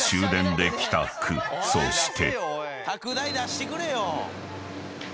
［そして］